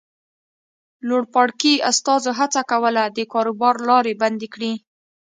لوړپاړکي استازو هڅه کوله د کاروبار لارې بندې کړي.